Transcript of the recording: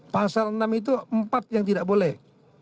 pasal enam itu empat yang tidak boleh